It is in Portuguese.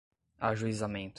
ajuizamento